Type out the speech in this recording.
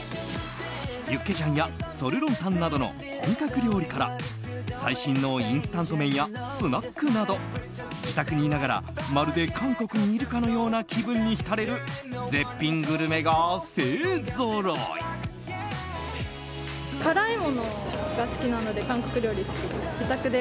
ユッケジャンやソルロンタンなどの最新のインスタント麺やスナックなど自宅にいながらまるで韓国にいるかのような気分に浸れる絶品グルメが勢ぞろい。